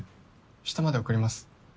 下まで送ります